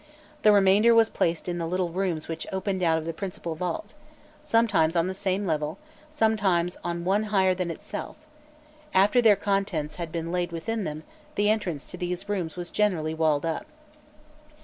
The remainder was placed in the little rooms which opened out of the principal vault, sometimes on the same level, sometimes on one higher than itself; after their contents had been laid within them, the entrance to these rooms was generally walled up.